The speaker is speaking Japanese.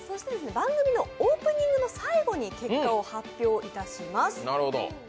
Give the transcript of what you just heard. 番組のオープニングの最後に結果を発表いたします。